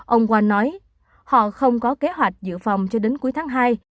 ông wong nói họ không có kế hoạch giữ phòng cho đến cuối tháng hai